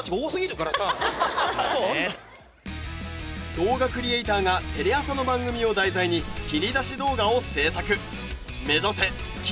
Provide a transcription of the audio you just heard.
動画クリエーターがテレ朝の番組を題材に切り出し動画を制作。